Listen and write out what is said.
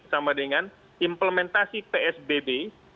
sama dengan implementasi psbb